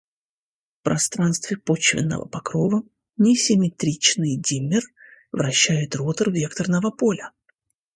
в пространстве почвенного покрова, несимметричный димер вращает ротор векторного поля.